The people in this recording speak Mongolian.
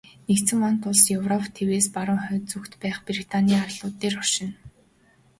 Нэгдсэн вант улс Европ тивээс баруун хойд зүгт байх Британийн арлууд дээр оршино.